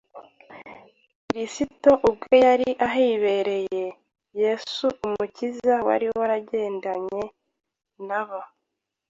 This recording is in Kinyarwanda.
Kristo ubwe yari ahibereye. Yesu, Umukiza, wari waragendanye na bo,